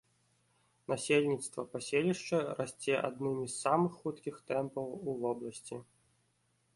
Насельніцтва паселішча расце аднымі з самых хуткіх тэмпаў у вобласці.